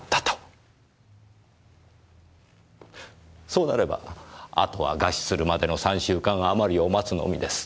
そうなればあとは餓死するまでの３週間あまりを待つのみです。